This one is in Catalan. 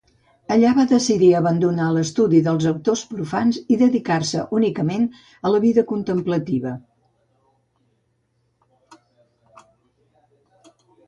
Allà va decidir abandonar l'estudi dels autors profans i dedicar-se únicament a la vida contemplativa.